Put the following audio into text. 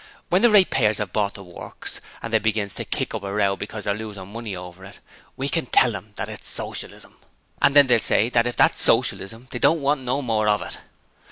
When the ratepayers 'ave bought the Works, and they begins to kick up a row because they're losin' money over it we can tell 'em that it's Socialism! And then they'll say that if that's Socialism they don't want no more of it.'